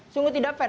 sungguh tidak fair